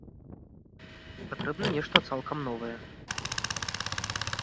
Патрэбна нешта цалкам новае.